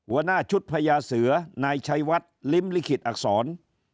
หัวหน้าชุดพญาเสือนายชัยวัดลิ้มลิขิตอักษร